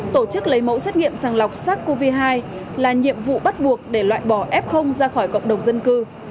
tổ chức lấy mẫu xét nghiệm sàng lọc sars cov hai là nhiệm vụ bắt buộc để loại bỏ f ra khỏi cộng đồng dân cư